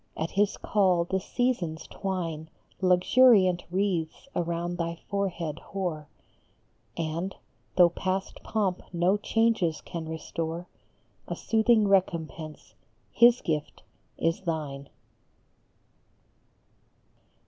at his call the Seasons twine Luxuriant wreaths around thy forehead hoar; And, though past pomp no changes can restore, A soothing recompence, his gift, is thine!